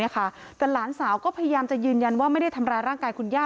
แต่หลานสาวก็พยายามจะยืนยันว่าไม่ได้ทำร้ายร่างกายคุณย่า